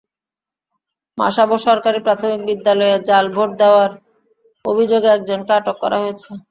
মাসাবো সরকারি প্রাথমিক বিদ্যালয়ে জাল ভোট দেওয়ার অভিযোগে একজনকে আটক করা হয়েছে।